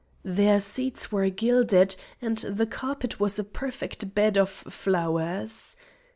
Their seats were gilded, and the carpet was a perfect bed of flowers.